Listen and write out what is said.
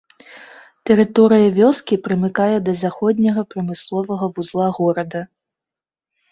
Тэрыторыя вёскі прымыкае да заходняга прамысловага вузла горада.